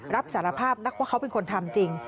รับสารภาพนักว่าเขาเป็นคนทำจริง